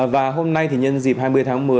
và hôm nay thì nhân dịp hai mươi tháng một mươi